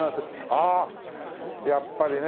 ああやっぱりね。